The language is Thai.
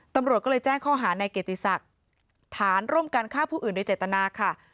ตำรวจก็เลยแจ้งข้อหาในเกียรติศักดิ์ฐานร่วมกันฆ่าผู้อื่นโดยเจตนาค่ะ